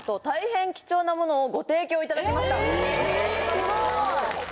・すごい！